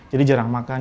jadi jarang makan